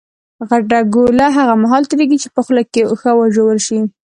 غټه ګوله هغه مهال تېرېږي، چي په خوله کښي ښه وژول سي.